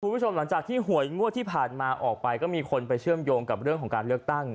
คุณผู้ชมหลังจากที่หวยงวดที่ผ่านมาออกไปก็มีคนไปเชื่อมโยงกับเรื่องของการเลือกตั้ง